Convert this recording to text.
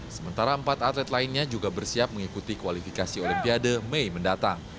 sementara empat atlet lainnya juga bersiap mengikuti kualifikasi olimpiade mei mendatang